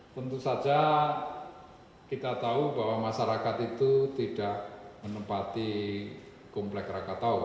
tentu saja kita tahu bahwa masyarakat itu tidak menempati komplek rakatau